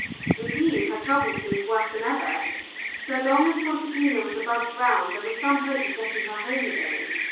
Indeed, her trouble seemed worse than ever. So long as Proserpina was above ground there was some hope of getting her home again.